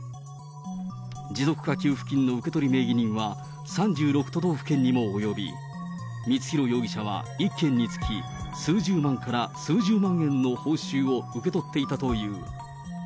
持続化給付金の受け取り名義人は３６都道府県にも及び、光弘容疑者は一件につき十数万から数十万円の報酬を受け取っていたという。